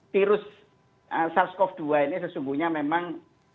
virus sars cov dua ini sesungguhnya memang